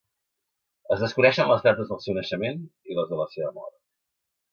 Es desconeixen les dates del seu naixement i les de la seva mort.